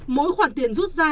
mỗi khoản tiền rút ra